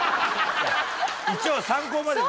一応参考までに。